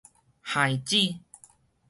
懸子